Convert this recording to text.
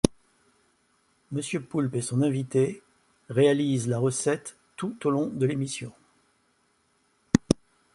Monsieur Poulpe et son invité réalisent la recette tout au long de l’émission.